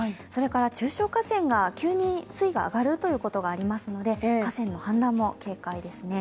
中小河川が急に水位が上がるということもありますので河川の氾濫も警戒ですね。